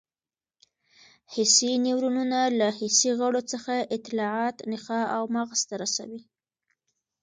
حسي نیورونونه له حسي غړو څخه اطلاعات نخاع او مغز ته رسوي.